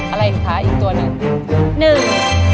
อะไรค่ะอีกตัวหนึ่ง